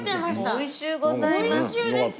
美味しゅうございます。